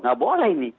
gak boleh ini